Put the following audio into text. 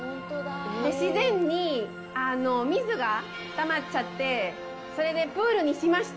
自然に水がたまっちゃって、それでプールにしました。